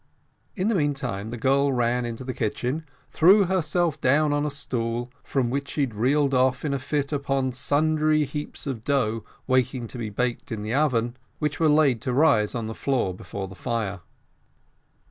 In the meantime the girl ran into the kitchen, threw herself down on a stool, from which she reeled off in a fit upon sundry heaps of dough waiting to be baked in the oven, which were laid to rise on the floor before the fire.